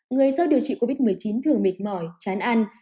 người sau điều trị covid một mươi chín thường mệt mỏi chán ăn